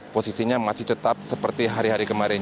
posisinya masih tetap seperti hari hari kemarin